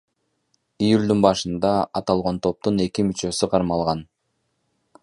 Июлдун башында аталган топтун эки мүчөсү кармалган.